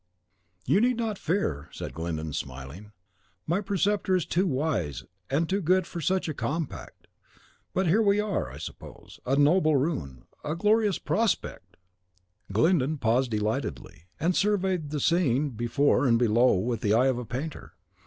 "You need not fear," said Glyndon, smiling; "my preceptor is too wise and too good for such a compact. But here we are, I suppose. A noble ruin, a glorious prospect!" Glyndon paused delightedly, and surveyed the scene before and below with the eye of a painter.